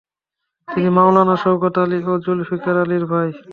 তিনি মাওলানা শওকত আলি ও জুলফিকার আলির ভাই।